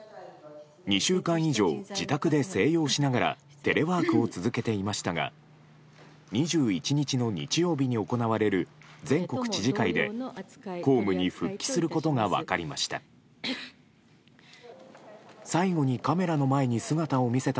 ２週間以上、自宅で静養しながらテレワークを続けていましたが２１日の日曜日に行われる全国知事会で公務に復帰することが分かりました。